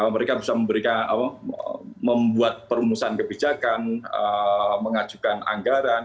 mereka bisa memberikan membuat perumusan kebijakan mengajukan anggaran